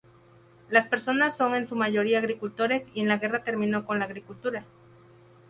Las personas son en su mayoría agricultores y la guerra terminó con la agricultura.